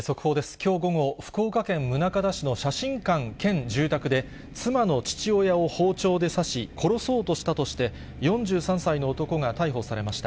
きょう午後、福岡県宗像市の写真館兼住宅で、妻の父親を包丁で刺し、殺そうとしたとして、４３歳の男が逮捕されました。